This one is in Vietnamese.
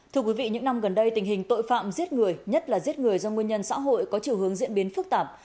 thưa quý vị những năm gần đây tình hình tội phạm giết người nhất là giết người do nguyên nhân xã hội có chiều hướng diễn biến phức tạp